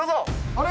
あれ？